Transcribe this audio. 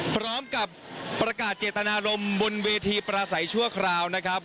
พร้อมกับประกาศเจตนารมณ์บนเวทีประสัยชั่วคราวนะครับ